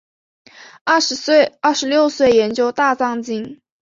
二十六岁研究大藏经。